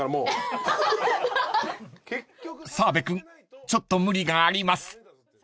［澤部君ちょっと無理があります］